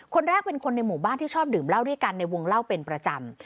คนแรกเป็นคนในหมู่บ้านที่ชอบดื่มเหล้าด้วยกันในวงเล่าเป็นประจำ